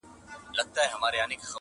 د مېړنیو د سنګر مېنه ده-